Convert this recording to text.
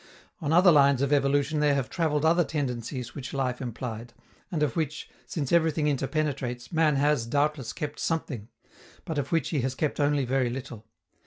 On other lines of evolution there have traveled other tendencies which life implied, and of which, since everything interpenetrates, man has, doubtless, kept something, but of which he has kept only very little.